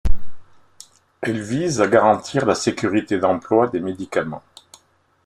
Elle vise à garantir la sécurité d’emploi des médicaments.